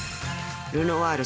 ［ルノワール。